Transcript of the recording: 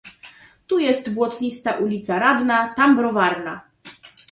"Tu jest błotnista ulica Radna, tam Browarna."